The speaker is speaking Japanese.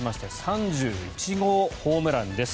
３１号ホームランです。